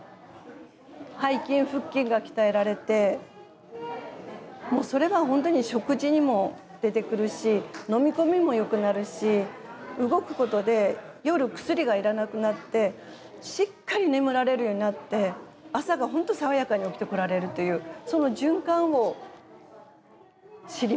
背筋腹筋が鍛えられてもうそれが本当に食事にも出てくるし飲み込みもよくなるし動くことで夜薬が要らなくなってしっかり眠られるようになって朝が本当爽やかに起きてこられるというその循環を知りました。